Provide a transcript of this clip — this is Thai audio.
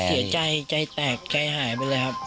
เสียใจใจแตกใจหายไปเลยครับ